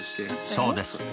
そうです。